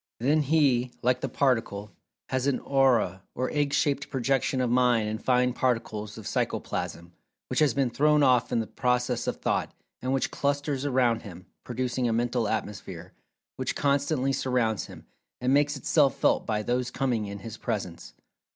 Then he, like the Particle, has an "Aura" or egg shaped projection of Mind and fine particles of Psychoplasm, which has been thrown off in the process of Thought, and which clusters around him, producing a "Mental Atmosphere," which constantly surrounds him, and makes itself "felt" by those coming in his presence.